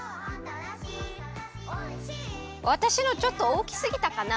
わたしのちょっとおおきすぎたかな？